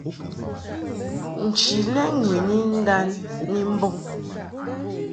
Nchi lɛ ŋwini ndan ni mbɔŋ.